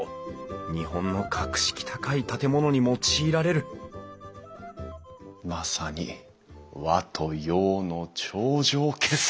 日本の格式高い建物に用いられるまさに和と洋の頂上決戦！